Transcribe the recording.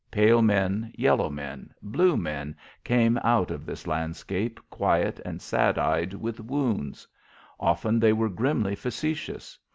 Pale men, yellow men, blue men came out of this landscape quiet and sad eyed with wounds. Often they were grimly facetious.